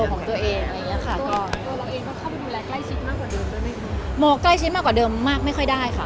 โหมกใกล้ชิดมากกว่าเดิมมากไม่ค่อยได้ค่ะ